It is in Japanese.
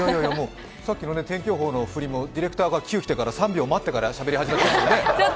さっきの天気予報の振りもディレクターのキューを３秒待ってからしゃべり始めたのです。